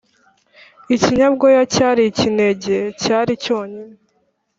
Ikinyabwoya cyari ikinege, cyari!cyonyine